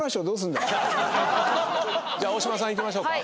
じゃあ大島さんいきましょうか。